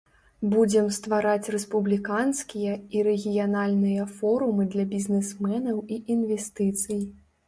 Будзем ствараць рэспубліканскія і рэгіянальныя форумы для бізнесменаў і інвестыцый.